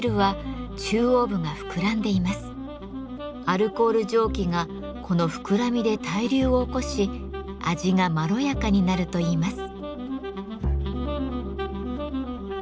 アルコール蒸気がこの膨らみで対流を起こし味がまろやかになるといいます。